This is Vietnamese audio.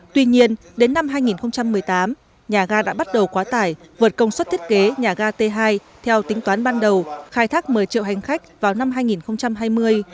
tuy nhiên đến năm hai nghìn một mươi tám nhà ga đã bắt đầu quá tải vượt công suất thiết kế nhà ga t hai theo tính toán ban đầu khai thác một mươi triệu hành khách vào năm hai nghìn hai mươi